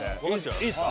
いいですか？